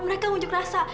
mereka munjuk rasa